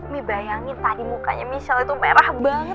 mie bayangin tadi mukanya michelle itu merah banget